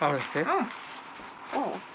うん。